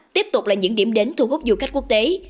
tiếp tục là những điểm đến thu hút du khách quốc tế